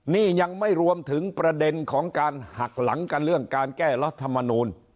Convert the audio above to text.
นี่ยังไม่รวมถึงประเด็นของการหักหลังกันเรื่องการแก้รัฐมนูล